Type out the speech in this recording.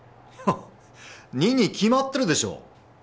ハッ２に決まってるでしょ！